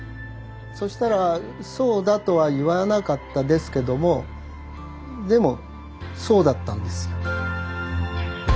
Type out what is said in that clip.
そしたらそうだとは言わなかったですけどもでもそうだったんですよ。